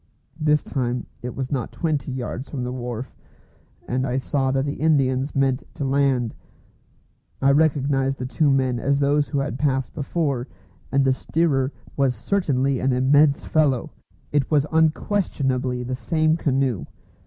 This time it was not twenty yards from the wharf, and I saw that the Indians meant to land. I recognised the two men as those who had passed before, and the steerer was certainly an immense fellow. It was unquestionably the same canoe.